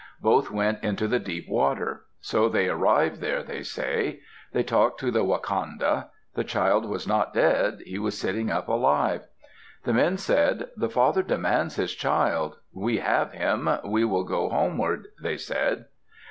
Both went into the deep water. So they arrived there, they say. They talked to the wakanda. The child was not dead; he was sitting up, alive. The men said, "The father demands his child. We have him; we will go homeward," they said.